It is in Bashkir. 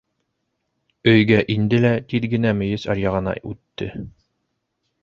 Өйгә инде лә тиҙ генә мейес аръяғына үтте.